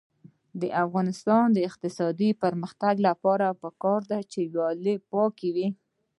د افغانستان د اقتصادي پرمختګ لپاره پکار ده چې ویالې پاکې وي.